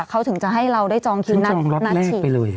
เขาถึงจะให้เราได้จองคิวนัดฉีด